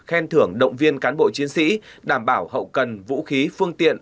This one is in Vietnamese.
khen thưởng động viên cán bộ chiến sĩ đảm bảo hậu cần vũ khí phương tiện